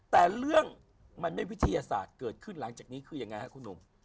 แต่เรื่องมันไม่วิทยาศาสตร์เกิดขึ้นหลังจากนี้คือยังไงครับคุณหนุ่ม